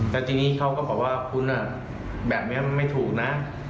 แล้วทีนี้เขาก็บอกว่าคุณแบบนี้มันไม่ถูกนะ